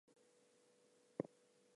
It was hung on the middle of a pole.